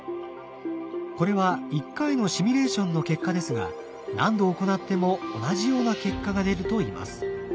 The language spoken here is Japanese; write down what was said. これは１回のシミュレーションの結果ですが何度行っても同じような結果が出るといいます。